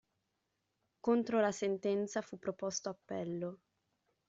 Contro la sentenza fu proposto appello.